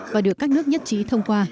và được các nước nhất trí thông qua